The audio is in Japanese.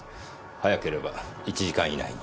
早ければ１時間以内に。